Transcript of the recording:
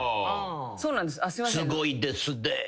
「すごいですねぇ」